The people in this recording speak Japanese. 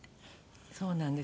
そうなんです。